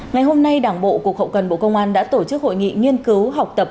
ngày hôm nay đảng bộ cục hậu cần bộ công an đã tổ chức hội nghị nghiên cứu học tập